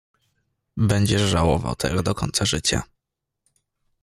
"Będziesz żałował tego do końca życia."